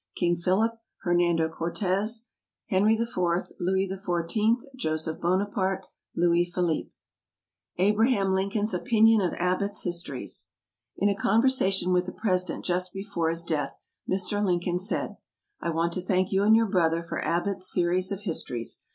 _ KING PHILIP. HERNANDO CORTEZ. HENRY IV. LOUIS XIV. JOSEPH BONAPARTE. LOUIS PHILIPPE. ABRAHAM LINCOLN'S OPINION OF ABBOTTS' HISTORIES. In a conversation with the President just before his death, Mr. Lincoln said: "_I want to thank you and your brother for Abbotts' Series of Histories.